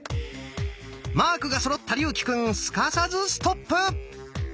マークがそろった竜暉くんすかさずストップ！